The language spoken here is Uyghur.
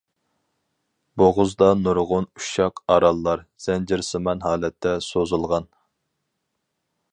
بوغۇزدا نۇرغۇن ئۇششاق ئاراللار زەنجىرسىمان ھالەتتە سوزۇلغان.